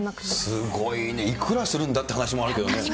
すごいね、いくらするんだっていう話もありますけどね。